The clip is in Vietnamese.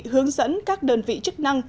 hướng dẫn các đơn vị chức năng